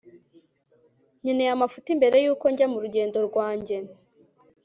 nkeneye amafuti mbere yuko njya murugendo rwanjye